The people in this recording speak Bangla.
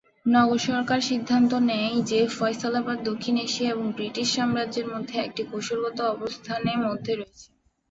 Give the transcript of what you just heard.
নগর সরকার সিদ্ধান্ত নেয় যে, ফয়সালাবাদ দক্ষিণ এশিয়া এবং ব্রিটিশ সাম্রাজ্যের মধ্যে একটি কৌশলগত অবস্থানে মধ্যে রয়েছে।